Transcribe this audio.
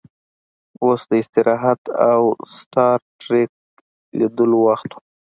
اوس د استراحت او سټار ټریک لیدلو وخت و